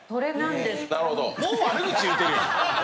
もう悪口言うてるやん。